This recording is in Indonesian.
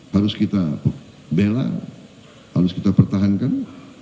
harus kita bela harus kita pertahankan